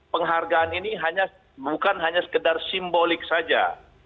penghargaan ini bukan hanya sekedar simbolik saja